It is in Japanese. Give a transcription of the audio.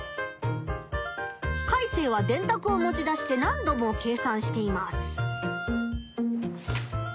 カイセイはでんたくを持ち出して何度も計算しています。